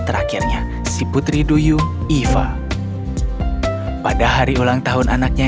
selamat ulang tahun putri